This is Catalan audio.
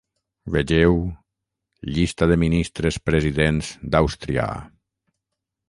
Vegeu: Llista de Ministres-Presidents d'Àustria.